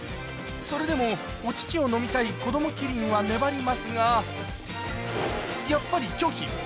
それでもお乳を飲みたい子どもキリンは粘りますが、やっぱり拒否。